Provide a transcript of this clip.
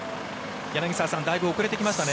柳澤さんだいぶ遅れてきましたね。